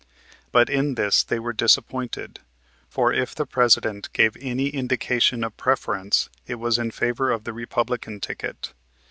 But in this they were disappointed, for if the President gave any indication of preference it was in favor of the Republican ticket.